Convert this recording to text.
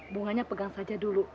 bunganya pegang saja dulu